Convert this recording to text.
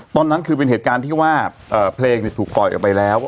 ตอนนั้นคือเป็นเหตุการณ์ที่ว่าเพลงถูกปล่อยออกไปแล้ว